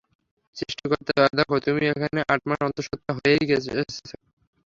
সৃষ্টিকর্তার দয়া দেখ, তুমি এখানে আট মাসের অন্তঃসত্ত্বা হয়েই এসেছ।